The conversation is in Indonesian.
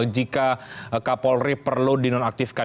jika kapolri perlu dinonaktifkan